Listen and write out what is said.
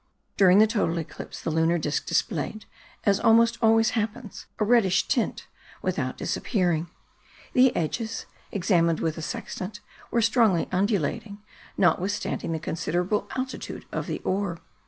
During the total eclipse the lunar disc displayed, as almost always happens, a reddish tint, without disappearing; the edges, examined with a sextant, were strongly undulating, notwithstanding the considerable altitude of the orb.